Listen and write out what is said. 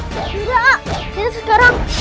tidak kita sekarang